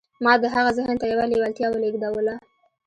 ما د هغه ذهن ته يوه لېوالتیا ولېږدوله.